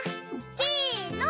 せの！